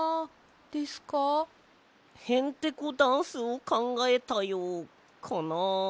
へんてこダンスをかんがえたよかなあ？